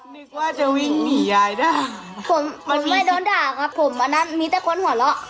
นึกว่าจะวิ่งหนียายได้ผมมันไม่โดนด่าครับผมอันนั้นมีแต่คนหัวเราะ